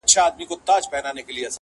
د زمان بلال به کله- کله ږغ کي-